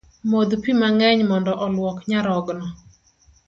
Modh pi mang’eny mond oluok nyarogno